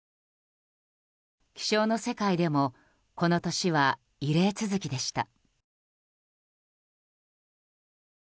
気象の世界でもこの年は異例続きでした。